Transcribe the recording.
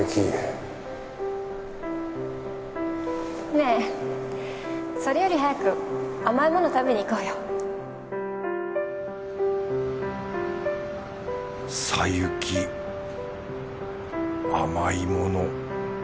ねえそれより早く甘いもの食べに行こうよ小雪甘いもの。